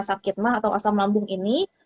sakitmah atau asam lambung ini